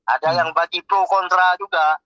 ada yang bagi pro kontra juga